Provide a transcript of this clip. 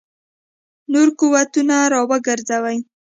نور قوتونه را وګرځوي.